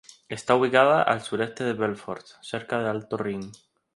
Está ubicada a al sureste de Belfort, cerca de Alto Rin.